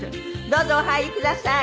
どうぞお座りください。